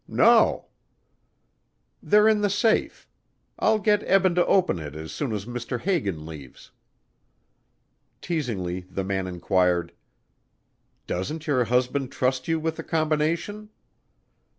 "No." "They're in the safe. I'll get Eben to open it as soon as Mr. Hagan leaves." Teasingly the man inquired, "Doesn't your husband trust you with the combination?"